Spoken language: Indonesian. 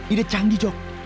ide canggih jok